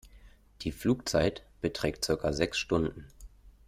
Die Flugzeit beträgt circa sechs Stunden.